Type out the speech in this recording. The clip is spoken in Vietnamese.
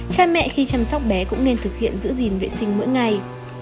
cha mẹ khi chăm sóc bé cũng nên thực hiện giữ gìn vệ sinh mỗi ngày